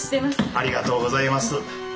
ありがとうございます。